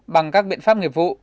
bằng các biện pháp nghiệp vụ